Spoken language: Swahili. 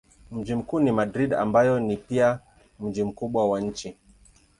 Mji mkuu ni Madrid ambayo ni pia mji mkubwa wa nchi.